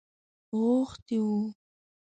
غوښتی وو.